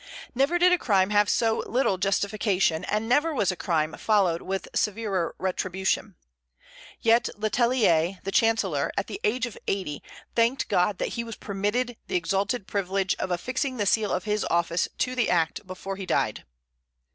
Never did a crime have so little justification, and never was a crime followed with severer retribution. Yet Le Tellier, the chancellor, at the age of eighty, thanked God that he was permitted the exalted privilege of affixing the seal of his office to the act before he died.